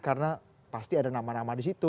karena pasti ada nama nama disitu